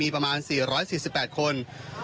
ประมาณ๔๔๘คน